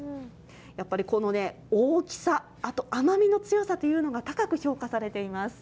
やっぱりこのね、大きさ、あと甘みの強さというのが高く評価されています。